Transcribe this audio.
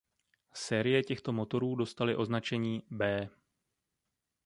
Série těchto motorů dostaly označení „B“.